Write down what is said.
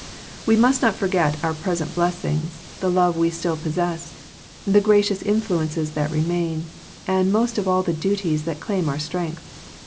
We must not forget our present blessings, the love we still pos sess, the gracious influences that remain, and most of all the duties that claim our strength.